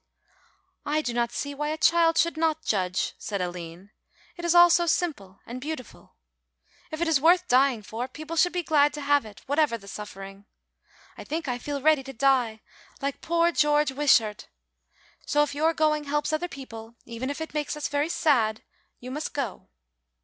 "I do not see why a child should not judge," said Aline; "it is all so simple and beautiful. If it is worth dying for, people should be glad to have it, whatever the suffering. I think I feel ready to die like poor George Wishart. So if your going helps other people, even if it makes us very sad you must go.